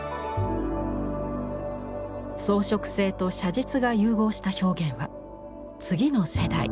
装飾性と写実が融合した表現は次の世代